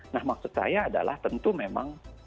nah maksud saya adalah tentu memang